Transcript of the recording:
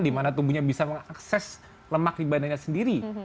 dimana tubuhnya bisa mengakses lemak di badannya sendiri